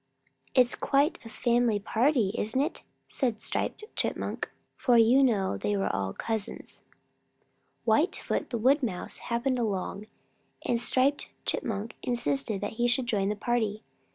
"It's quite a family party, isn't it?" said Striped Chipmunk, for you know they are all cousins. Whitefoot the Wood Mouse happened along, and Striped Chipmunk insisted that he should join the party.